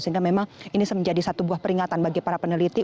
sehingga memang ini menjadi satu buah peringatan bagi para peneliti